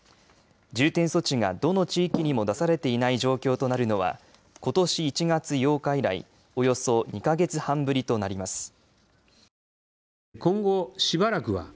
重点措置がどの地域にも出されていない状況となるのはことし１月８日以来、およそ２か月半ぶりとなります。